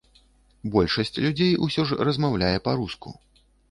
Большасць людзей, усё ж, размаўляе па-руску.